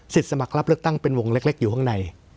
สมัครรับเลือกตั้งเป็นวงเล็กอยู่ข้างใน